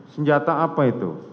senjata apa itu